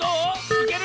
いける？